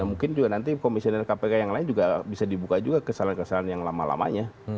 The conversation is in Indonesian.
mungkin juga nanti komisioner kpk yang lain juga bisa dibuka juga kesalahan kesalahan yang lama lamanya